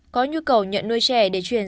có nhu cầu nhận nuôi trẻ để chuyển